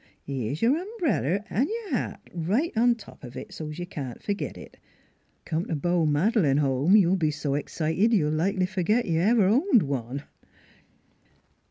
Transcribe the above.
... Here's your ombrel' an' your hat right on top of it, so's you can't forgit it. ... Come t' beau Mad'lane home you'll be s' excited you'll likely forgit you ever owned one."